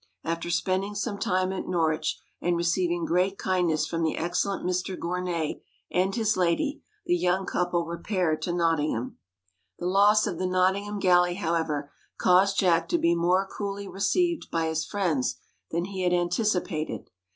After spending some time at Norwich, and receiving great kindness from the excellent Mr Gournay and his lady, the young couple repaired to Nottingham. The loss of the "Nottingham Galley," however, caused Jack to be more coolly received by his friends than he had anticipated.